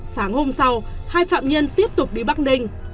sáng hôm sau hai phạm nhân tiếp tục đi bắc ninh